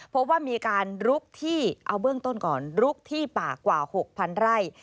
พบว่ามีการลุกที่เอาเบื้องต้นก่อนลุกที่ป่ากว่า๖๐๐ไร่